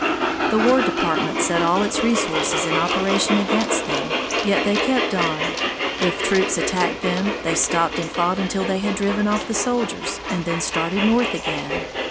"The War Department set all its resources in operation against them, yet they kept on. If troops attacked them, they stopped and fought until they had driven off the soldiers, and then started north again.